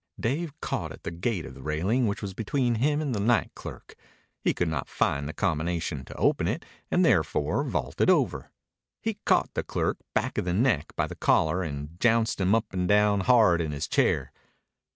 Dave caught at the gate of the railing which was between him and the night clerk. He could not find the combination to open it and therefore vaulted over. He caught the clerk back of the neck by the collar and jounced him up and down hard in his chair.